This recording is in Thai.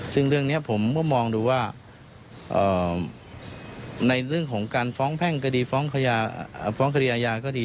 ซึ่งเรื่องนี้ผมก็มองดูว่าในเรื่องของการฟ้องแพ่งคดีฟ้องคดีอาญาก็ดี